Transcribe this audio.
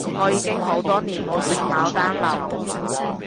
我已經好多年冇食牡丹樓